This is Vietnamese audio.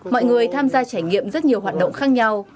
mọi người tham gia trải nghiệm rất nhiều hoạt động khác nhau